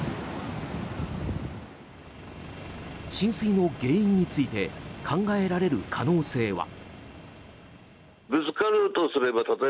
浸水の原因について考えられる可能性は。